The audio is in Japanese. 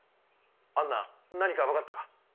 アンナ何か分かったか？